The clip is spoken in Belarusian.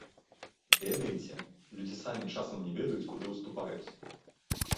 Ведаеце, людзі самі часам не ведаюць, куды ўступаюць!